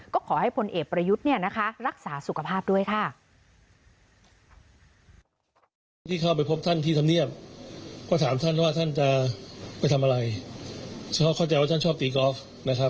ก็ขอให้พลเอกประยุทธ์รักษาสุขภาพด้วยค่ะ